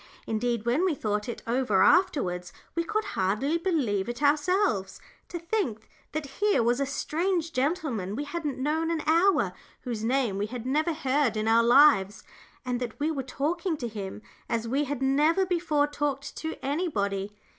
Indeed, when we thought it over afterwards we could hardly believe it ourselves; to think that here was a strange gentleman we hadn't known an hour, whose name we had never heard in our lives, and that we were talking to him as we had never before talked to anybody.